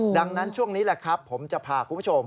ดังนั้นช่วงนี้แหละครับผมจะพาคุณผู้ชม